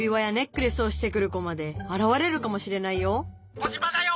「コジマだよ！」。